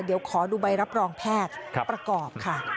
เดี๋ยวขอดูใบรับรองแพทย์ประกอบค่ะ